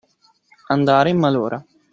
Andare in malora.